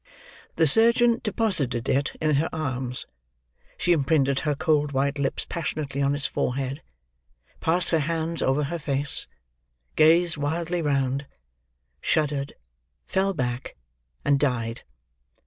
The surgeon deposited it in her arms. She imprinted her cold white lips passionately on its forehead; passed her hands over her face; gazed wildly round; shuddered; fell back—and died.